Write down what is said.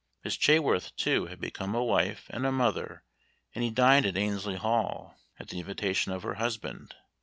Miss Chaworth, too, had become a wife and a mother, and he dined at Annesley Hall at the invitation of her husband.